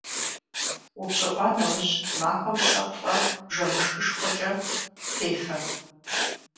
УпщӀыӀуа нэужь махуэм щэ-плӀэ бжэмышхышхуэкӀэ фефэ.